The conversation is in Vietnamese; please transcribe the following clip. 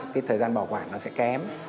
cái thời gian bảo quản nó sẽ kém